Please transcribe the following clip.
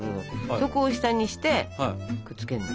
そこを下にしてくっつけるの。